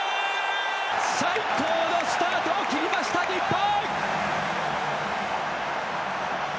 最高のスタートを切りました日本！